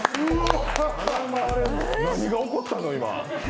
何が起こったの、今？